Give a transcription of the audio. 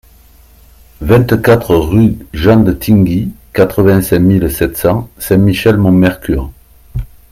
vingt-quatre rue Jean de Tinguy, quatre-vingt-cinq mille sept cents Saint-Michel-Mont-Mercure